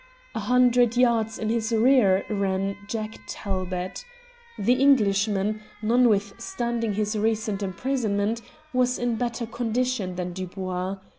A hundred yards in his rear ran Jack Talbot. The Englishman, notwithstanding his recent imprisonment, was in better condition than Dubois.